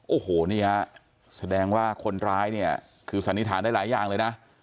โอ้โหนี่ฮะแสดงว่าคนร้ายเนี่ยคือสันนิษฐานได้หลายอย่างเลยนะ